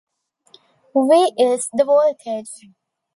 V is the voltage.